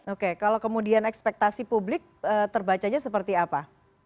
oke kalau kemudian ekspektasi publik terbacanya seperti apa